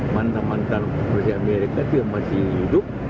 mantap mantap presiden amerika itu yang masih hidup